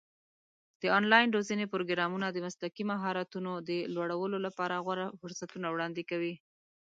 د آنلاین روزنې پروګرامونه د مسلکي مهارتونو د لوړولو لپاره غوره فرصتونه وړاندې کوي.